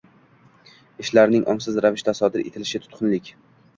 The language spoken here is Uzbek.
Ishlarning ongsiz ravishda sodir etilishi — tutqunlik.